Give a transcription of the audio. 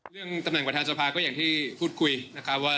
เรื่องประธานสภาษาภัยก็อย่างที่พูดคุยนะคะ